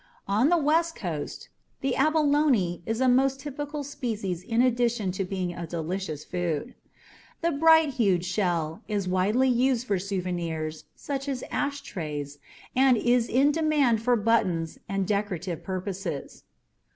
On the West Coast, the abalone is a most typical species in addition to being a delicious food. The bright hued shell is widely used for souvenirs such as ash trays and is in demand for buttons and decorative purposes.